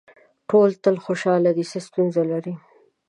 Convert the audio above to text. ټول تل خوشاله دي څه ستونزه لري.